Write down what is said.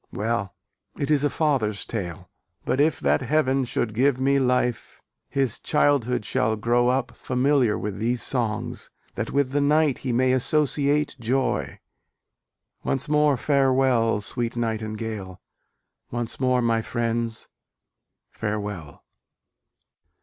Well! It is a father's tale. But if that Heaven Should give me life, his childhood shall grow up Familiar with these songs, that with the night He may associate joy! Once more farewell, Sweet Nightingale! Once more, my friends! farewell.